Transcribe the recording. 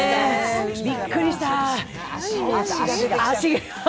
びっくりした。